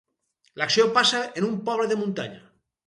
L'acció passa en un poble de muntanya.